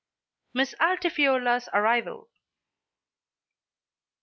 MISS ALTIFIORLA'S ARRIVAL.